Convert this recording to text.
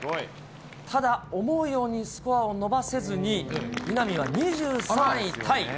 ただ、思うようにスコアを伸ばせずに、稲見は２３位タイ。